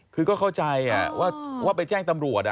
คือก็เข้าใจว่าไปแจ้งตำรวจ